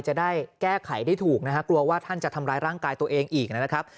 จะได้แก้ไขได้ถูกนะฮะกลัวว่าท่านจะทำร้ายร่างกายตัวเองอีกนะครับ